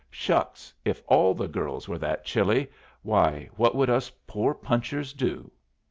Shucks! If all the girls were that chilly, why, what would us poor punchers do?"